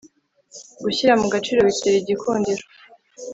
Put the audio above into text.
gushyira mu gaciro bitera igikundiro